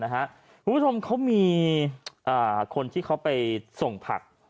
คุณผู้ชมเขามีคนที่เขาไปส่งผัก